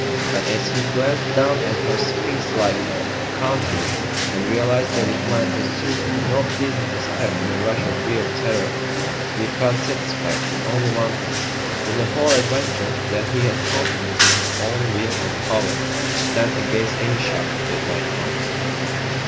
And, as he glanced down at her sphinx like countenance and realised that it might assume no pleasant aspect in a rush of real terror, he felt satisfied with only one thing in the whole adventure that he had confidence in his own will and power to stand against any shock that might come.